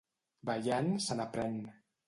Ballant se n'aprèn.